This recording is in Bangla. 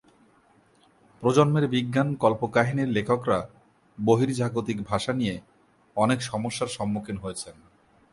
প্রজন্মের বিজ্ঞান কল্পকাহিনীর লেখকরা বহির্জাগতিক ভাষা নিয়ে অনেক সমস্যার সম্মুখীন হয়েছেন।